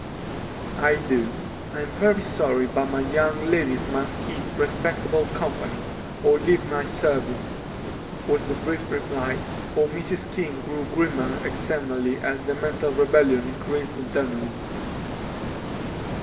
"I do. I'm very sorry, but my young ladies must keep respectable company, or leave my service," was the brief reply, for Mrs. King grew grimmer externally as the mental rebellion increased internally.